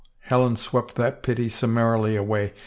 " Helen swept that pity summarily away.